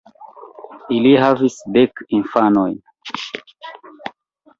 Ili havis dek infanojn.